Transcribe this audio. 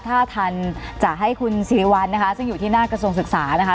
ถ้าทันจะให้คุณสิริวัลนะคะซึ่งอยู่ที่หน้ากระทรวงศึกษานะคะ